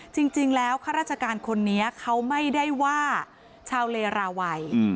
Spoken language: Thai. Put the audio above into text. จริงแล้วข้าราชการคนนี้เขาไม่ได้ว่าชาวเลราวัย